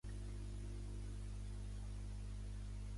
El fi del món està prevista fa mesos.